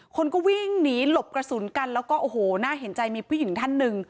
คนก็วิ่งหนีหลบกระสุนกันแล้วก็โอ้โหน่าเห็นใจมีผู้หญิงท่านหนึ่ง